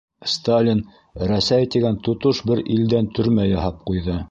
Сталин Рәсәй тигән тотош бер илдән төрмә яһап ҡуйҙы...